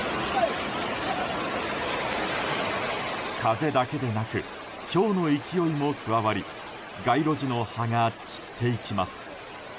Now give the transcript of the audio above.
風だけでなくひょうの勢いも加わり街路樹の葉が散っていきます。